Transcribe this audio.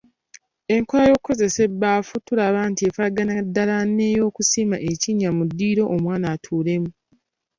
Enkola ey’okukozesa ebbaafu tulaba nti efaanaganira ddala n’ey'okusima ekinnya mu ddiiro omwana atuulemu.